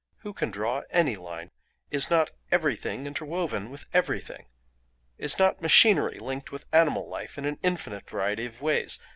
Who can draw any line? Is not everything interwoven with everything? Is not machinery linked with animal life in an infinite variety of ways?